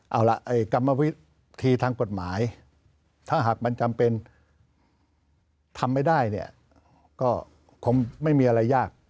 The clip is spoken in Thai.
เอาล่ะกรรมวิธีทางกฎหมายถ้าหากมันจำเป็นทำไม่ได้เนี่ยก็คงไม่มีอะไรยาก